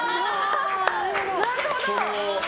なるほど！